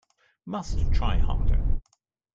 Must try harder.